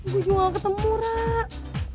gua juga gak ketemu raka